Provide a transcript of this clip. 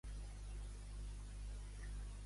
Com està la circulació a l'hora d'ara per Barcelona?